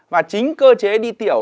và chính cơ chế đi tiểu